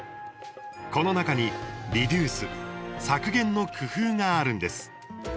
この中に、リデュース削減の工夫があるんです。